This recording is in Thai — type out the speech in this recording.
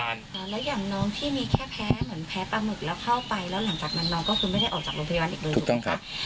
แล้วอย่างน้องที่มีแค่แพ้เหมือนแพ้ปลาหมึกแล้วเข้าไปแล้วหลังจากนั้นน้องก็คือไม่ได้ออกจากโรงพยาบาลอีกเลยถูกต้องครับ